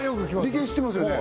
理研知ってますよね